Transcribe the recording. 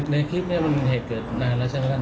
ในคลิปนี้มันเหตุเกิดนานแล้วใช่มั้ยตอนนั้น